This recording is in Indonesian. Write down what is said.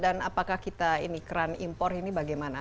dan apakah kita ini kran impor ini bagaimana